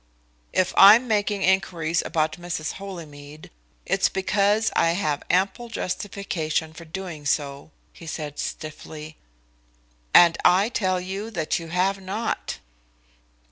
"If I'm making inquiries about Mrs. Holymead, it's because I have ample justification for doing so," he said stiffly. "And I tell you that you have not."